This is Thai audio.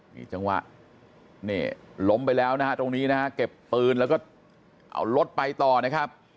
นี่จังหวะนี่ล้มไปแล้วนะฮะตรงนี้นะฮะเก็บปืนแล้วก็เอารถไปต่อนะครับ